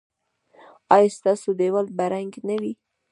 ایا ستاسو دیوال به رنګ نه وي؟